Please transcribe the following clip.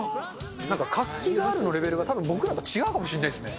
なんか活気があるのレベルがたぶん、僕らと違うかもしれないですね。